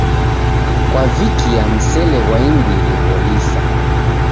Kwavikia msele ghwa imbiri gholisa.